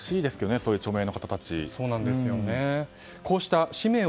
そういう著名な方たちを。